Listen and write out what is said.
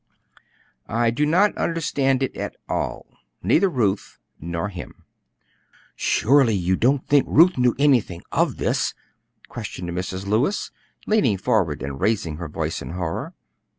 "I do not understand it at all, neither Ruth nor him." "Surely you don't think Ruth knew anything of this?" questioned Mrs. Lewis, leaning forward and raising her voice in horror.